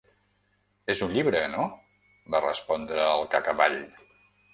És un llibre, no? —va respondre el Cacavall.